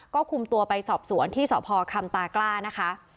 ก็คุมตัวไปสอบสวนที่สพคำตากล้านะคะ